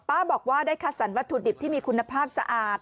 บอกว่าได้คัดสรรวัตถุดิบที่มีคุณภาพสะอาด